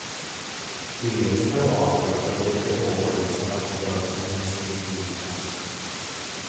He is coauthor, with David Lawrence, of the book "Managing Usenet".